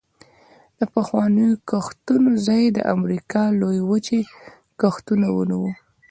د پخوانیو کښتونو ځای د امریکا لویې وچې کښتونو ونیو